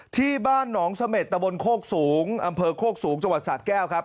ที่บ้านหนองเสม็ดตะบนโคกสูงอำเภอโคกสูงจังหวัดสะแก้วครับ